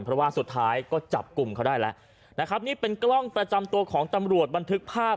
เพราะว่าสุดท้ายก็จับกลุ่มเขาได้แล้วนะครับนี่เป็นกล้องประจำตัวของตำรวจบันทึกภาพ